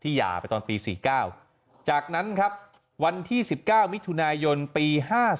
หย่าไปตอนปี๔๙จากนั้นครับวันที่๑๙มิถุนายนปี๕๔